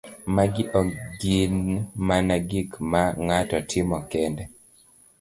Magi ok gin mana gik ma ng'ato timo kende